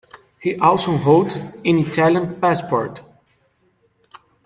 He also holds an Italian passport.